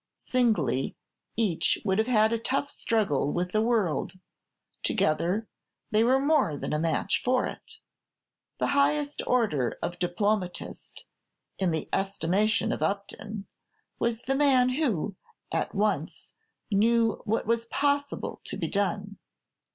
Singly, each would have had a tough struggle with the world; together, they were more than a match for it. The highest order of diplomatist, in the estimation of Upton, was the man who, at once, knew what was possible to be done.